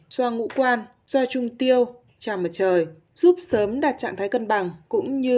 xoa ngũ quan xoa trung tiêu chào mặt trời giúp sớm đạt trạng thái cân bằng cũng như